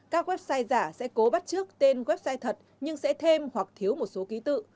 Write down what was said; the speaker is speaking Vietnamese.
các website giả sẽ cố bắt trước tên website thật nhưng sẽ thêm hoặc thiếu một số ký tự